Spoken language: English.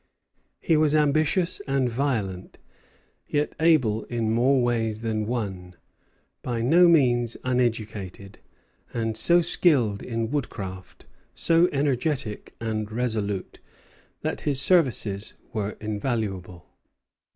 He was ambitious and violent, yet able in more ways than one, by no means uneducated, and so skilled in woodcraft, so energetic and resolute, that his services were invaluable.